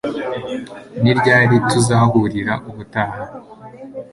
Ni ryari tuzahurira ubutaha